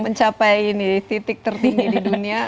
mencapai ini titik tertinggi di dunia